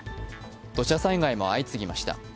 土砂災害も相次ぎました。